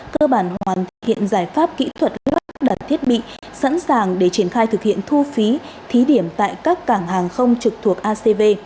cơ bản hoàn thiện giải pháp kỹ thuật lắp đặt thiết bị sẵn sàng để triển khai thực hiện thu phí thí điểm tại các cảng hàng không trực thuộc acv